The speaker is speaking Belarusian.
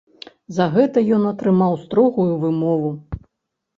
За гэта ён атрымаў строгую вымову.